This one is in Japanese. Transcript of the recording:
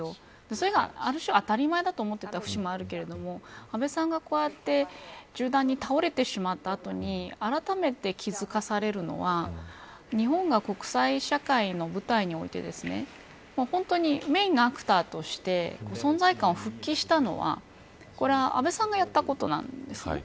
それが、ある種、当たり前だと思っていた節もあるけれども安倍さんが、こうやって銃弾に倒れてしまった後にあらためて気付かされるのは日本が国際社会の舞台において本当にメーンのアクターとして存在感を復帰したのはこれは安倍さんがやったことなんです。